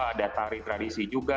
ada tari tradisi juga